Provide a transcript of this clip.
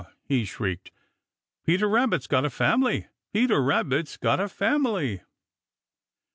he shrieked, "Peter Rabbit's got a family! Peter Rabbit's got a family!"